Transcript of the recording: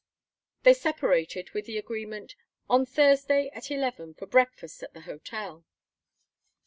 They separated with the agreement: "On Thursday at eleven for breakfast at the hotel!"